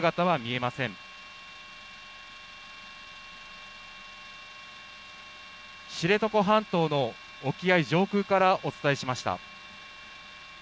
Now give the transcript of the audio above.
知床半島の沖合上空からお伝えしました。